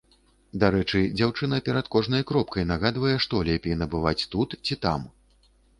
Дарэчы, дзяўчына перад кожнай кропкай нагадвае, што лепей набываць тут ці там.